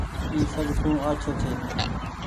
اي سب سون آڇو ڇي۔